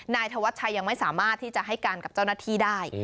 นายธวัชชัยยังไม่สามารถที่จะให้การกับเจ้าหน้าที่ได้